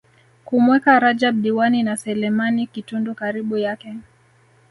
kumweka Rajab Diwani na Selemani Kitundu karibu yake